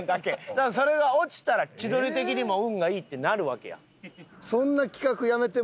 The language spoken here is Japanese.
だからそれが落ちたら千鳥的にも運がいいってなるわけや。